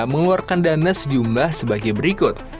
mengeluarkan dana sejumlah sebagai berikut